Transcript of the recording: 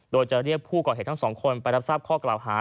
โดยจะเรียกผู้ก่อเหตุทั้งสองคนไปรับทราบข้อกล่าวหา